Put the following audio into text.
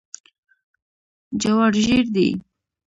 جوار ژیړ دي.